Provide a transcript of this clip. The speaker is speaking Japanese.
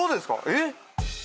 えっ？